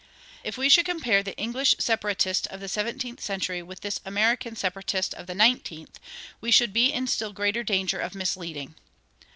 If we should compare the English Separatist of the seventeenth century with this American Separatist of the nineteenth, we should be in still greater danger of misleading.